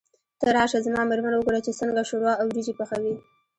ته راشه زما مېرمن وګوره چې څنګه شوروا او وريجې پخوي.